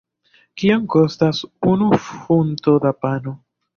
Kiom kostas unu funto da pano?